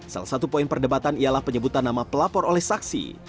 salah satu poin perdebatan ialah penyebutan nama pelapor oleh saksi